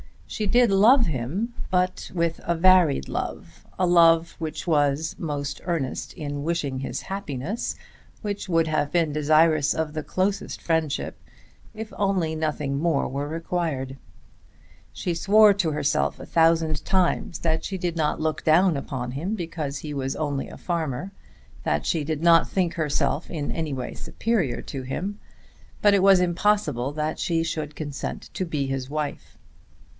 She did love him, but with a varied love, a love which was most earnest in wishing his happiness, which would have been desirous of the closest friendship if only nothing more were required. She swore to herself a thousand times that she did not look down upon him because he was only a farmer, that she did not think herself in any way superior to him. But it was impossible that she should consent to be his wife.